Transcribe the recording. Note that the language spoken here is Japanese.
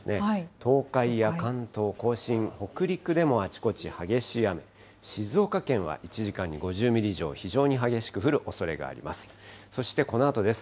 東海や関東甲信、北陸でもあちこち激しい雨、静岡県は１時間に５０ミリ以上、非常に激しく降るおそれがあります。